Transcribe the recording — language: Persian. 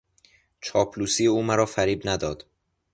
چاپلوسی او مرا فریب نداد.